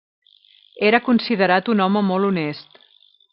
Era considerat un home molt honest.